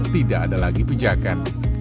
tidak ada lagi pijakan